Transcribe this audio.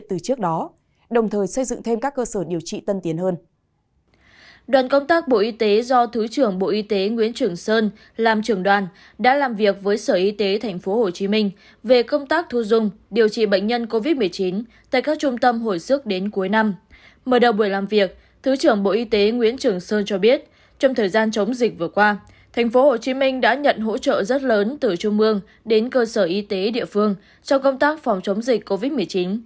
tp hcm đã nhận hỗ trợ rất lớn từ trung mương đến cơ sở y tế địa phương trong công tác phòng chống dịch covid một mươi chín